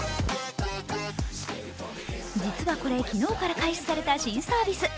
実はこれ、昨日から開始された新サービス。